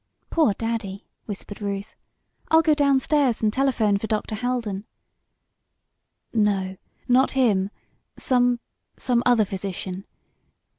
"Poor Daddy!" whispered Ruth. "I'll go down stairs and telephone for Dr. Haldon." "No not him some some other physician.